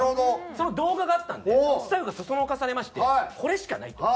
その動画があったんでスタッフにそそのかされましてこれしかないと。